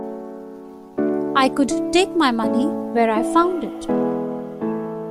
I could take my money where I found it.